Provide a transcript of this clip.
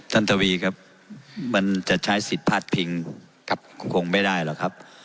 ท่านทวีครับมันจะใช้สิทธิ์ภาษภิกษ์คงไม่ได้หรอครับ